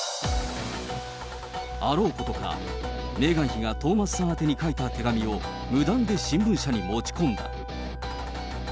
あろうことか、メーガン妃がトーマスさん宛てに書いた手紙を無断で新聞社に持ち込んだ。